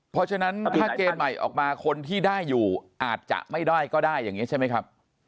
เพราะฉะนั้นถ้าเกณฑ์ใหม่ออกมาคนที่ได้อยู่อาจจะไม่ได้ก็ได้อย่างนี้ใช่ไหมครับ